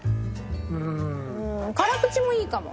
うーん辛口もいいかも。